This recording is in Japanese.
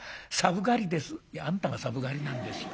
「いやあんたが寒がりなんですよ。